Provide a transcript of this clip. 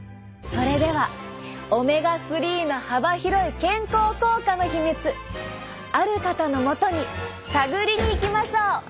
それではオメガ３の幅広い健康効果の秘密ある方のもとに探りに行きましょう！